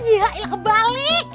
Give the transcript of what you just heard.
iya ilah kebalik